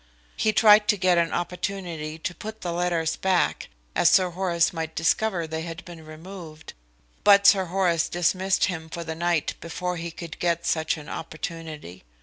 He tried to get an opportunity to put the letters back as Sir Horace might discover they had been removed, but Sir Horace dismissed him for the night before he could get such an opportunity.